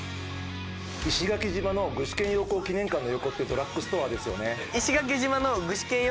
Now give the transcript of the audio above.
石垣島の具志堅用高記念館の横ってドラッグストアですよね。